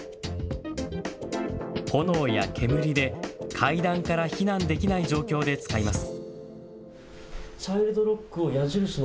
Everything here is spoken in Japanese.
炎や煙で階段から避難できない状況で使います。